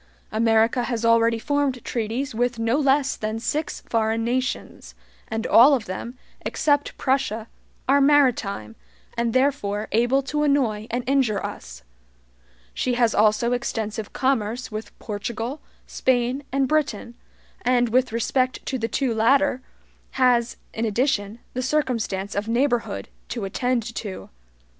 America has already formed treaties with no less than six foreign nations, and all of them, except Prussia, are maritime, and therefore able to annoy and injure us. She has also extensive commerce with Portugal, Spain, and Britain, and, with respect to the two latter, has, in addition, the circumstance of neighborhood to attend to.